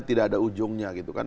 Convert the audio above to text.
tidak ada ujungnya gitu kan